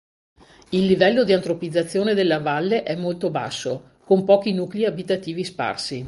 Il livello di antropizzazione della valle è molto basso, con pochi nuclei abitativi sparsi.